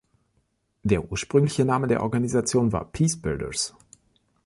Der ursprüngliche Name der Organisation war „PeaceBuilders“.